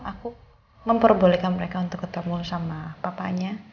aku memperbolehkan mereka untuk ketemu sama papanya